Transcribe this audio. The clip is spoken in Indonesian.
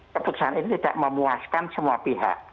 keputusan ini tidak memuaskan semua pihak